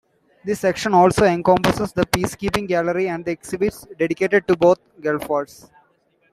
This section also encompasses the Peacekeeping Gallery and exhibits dedicated to both Gulf Wars.